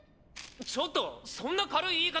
ちょっとそんな軽い言い方！